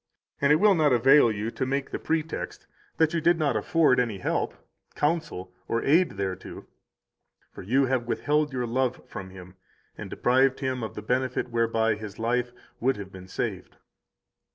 And it will not avail you to make the pretext that you did not afford any help, counsel, or aid thereto, for you have withheld your love from him and deprived him of the benefit whereby his life would have been saved.